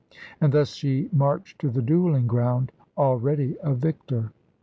And thus she marched to the duelling ground, already a victor.